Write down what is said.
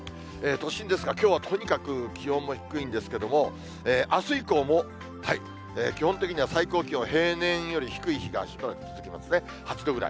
都心ですが、きょうはとにかく気温も低いんですけれども、あす以降も、基本的には最高気温、平年より低い日がしばらく続きますね、８度くらい。